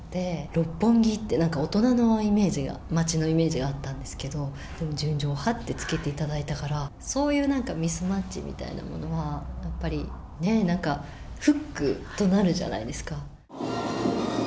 六本木ってなんか大人のイメージが、街のイメージがあったんですけど、でも純情派ってつけていただいたから、そういうなんかミスマッチみたいなものは、やっぱりなんかフックとなるじゃないですか。